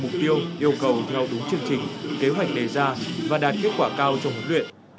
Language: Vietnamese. mục tiêu yêu cầu theo đúng quyền